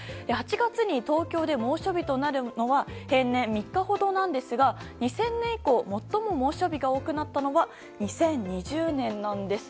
８月に東京で猛暑日となるのは平年３日ほどなんですが２０００年以降最も猛暑日が多くなったのは２０２０年なんです。